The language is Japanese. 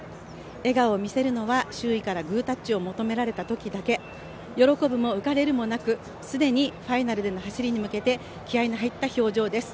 笑顔を見せるのは周囲からグータッチを求められたときだけ喜ぶも浮かれるもなく、既にファイナルでの走りに向けて気合いの入った表情です。